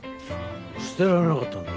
捨てられなかったんだよ。